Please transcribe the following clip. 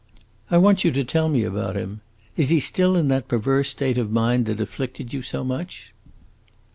"I want you to tell me about him. Is he still in that perverse state of mind that afflicted you so much?"